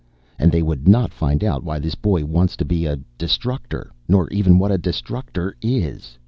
And they would not find out why this boy wants to be a Destructor nor even what a Destructor is.'